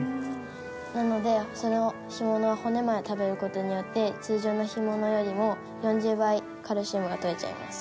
なのでそれを干物を骨まで食べる事によって通常の干物よりも４０倍カルシウムがとれちゃいます。